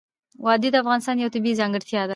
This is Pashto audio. وادي د افغانستان یوه طبیعي ځانګړتیا ده.